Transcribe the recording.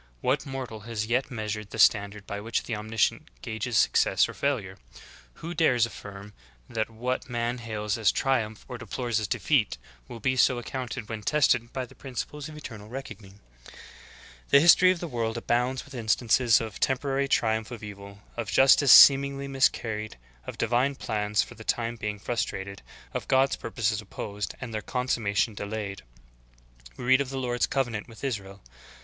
What mortal has yet measured the standard by which Omnisci ence gages success or failure? Who dares affirm that what See Note 2, end of chapter. 22 THE GREAT APOSTASY. man hails as triumph or deplores as defeat will be so ac counted when tested by the principles of eternal reckoning? 12. The history of the world abounds with instances of the temporary triumph of evil, of justice seemingly mis carried, of divine plans for the time being frustrated, of God's purposes opposed and their consummation delayed. 13. We read of the Lord's covenant with Israel.